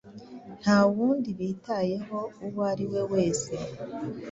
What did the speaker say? nta wundi bitayeho uwari we wese